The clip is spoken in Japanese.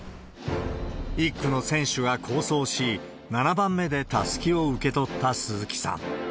１区の選手が好走し、７番目でたすきを受け取った鈴木さん。